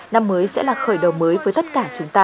năm mới sẽ là khởi đầu mới với tất cả chúng ta